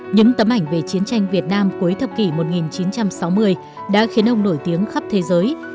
những tấm ảnh về chiến tranh việt nam cuối thập kỷ một nghìn chín trăm sáu mươi đã khiến ông nổi tiếng khắp thế giới